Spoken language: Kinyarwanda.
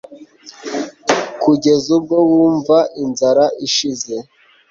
kugeza ubwo wumva inzara ishize